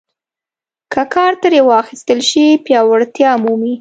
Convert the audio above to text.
که کار ترې واخیستل شي پیاوړتیا مومي.